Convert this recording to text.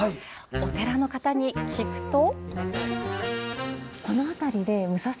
お寺の方に聞くと？